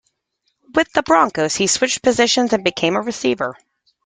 With the Broncos, he switched positions and became a receiver.